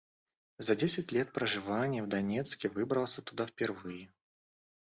За десять лет проживания в Донецке выбрался туда впервые.